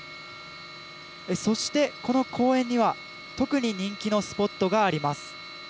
そして、この公園には特に人気のスポットがあります。